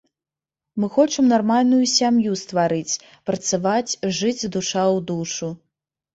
Мы хочам нармальную сям'ю стварыць, працаваць, жыць душа ў душу.